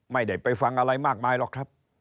ไม่ได้ไปฟังอะไรมากมายหรอกครับ